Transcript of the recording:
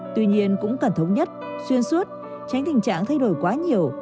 tuy nhiên cũng cần thống nhất xuyên suốt tránh tình trạng thay đổi quá nhiều